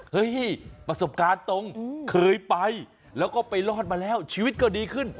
ประสบการณ์ตรงเคยไปแล้วก็ไปรอดมาแล้วชีวิตก็ดีขึ้น